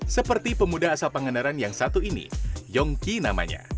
seperti pemuda asal pangandaran yang satu ini yongki namanya